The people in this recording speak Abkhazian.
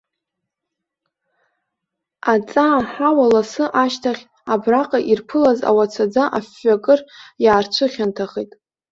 Аҵаа-ҳауа ласы ашьҭахь, абраҟа ирԥылаз ауацаӡа афҩы акыр иаарцәыхьанҭахеит.